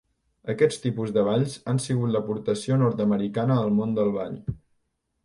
Aquests tipus de balls han sigut l'aportació nord-americana al món del ball.